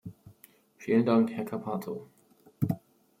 Vielen Dank, Herr Cappato.